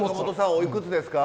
おいくつですか？